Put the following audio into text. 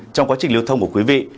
trong quá trình lưu thông của quý vị